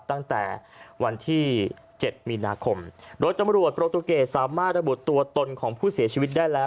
ตั้งแต่วันที่๗มีนาคมโดยตำรวจโปรตูเกตสามารถระบุตัวตนของผู้เสียชีวิตได้แล้ว